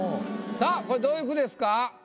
さぁこれどういう句ですか？